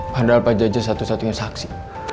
padahal pak jaja satu satunya saksi